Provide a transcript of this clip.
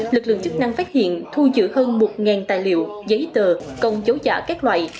lực lượng chức năng phát hiện thu giữ hơn một tài liệu giấy tờ công dấu giả các loại